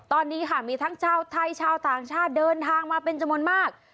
ตอนนี้ค่ะมีทั้งชาวไทยชาวต่างชาติเดินทางมาเป็นจำนวนมาก